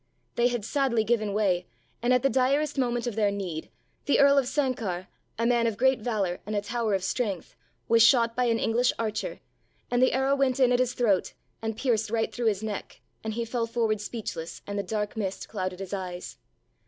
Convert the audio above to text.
They had sadly given way and at the direst moment of their need the Earl of Sanquhar, a man of great valour and a tower of strength, was shot by an English archer and the arrow went in at his throat and pierced right through his neck and he fell forward speechless and the dark mist clouded his eyes.